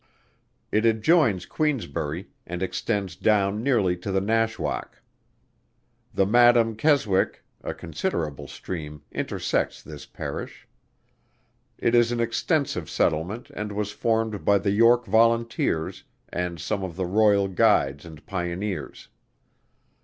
It adjoins Queensbury, and extends down nearly to the Nashwaack. The Madam Keswick, a considerable stream, intersects this Parish. This is an extensive settlement, and was formed by the York Volunteers and some of the Royal Guides and Pioneers.